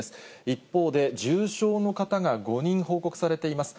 一方で、重症の方が５人報告されています。